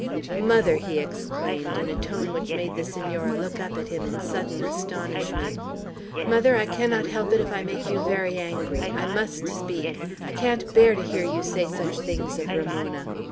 "Mother!" he exclaimed, in a tone which made the Senora look up at him in sudden astonishment. "Mother, I cannot help it if I make you very angry; I must speak; I can't bear to hear you say such things of Ramona.